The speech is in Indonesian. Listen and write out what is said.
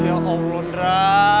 ya allah nra